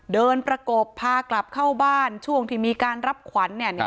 ประกบพากลับเข้าบ้านช่วงที่มีการรับขวัญ